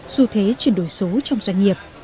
dù thế chuyển đổi số trong doanh nghiệp